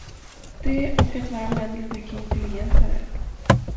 Det och att vara oändligt mycket intelligentare.